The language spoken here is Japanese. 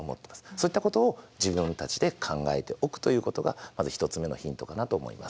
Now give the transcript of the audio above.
そういったことを自分たちで考えておくということがまず１つ目のヒントかなと思います。